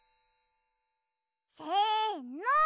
せの！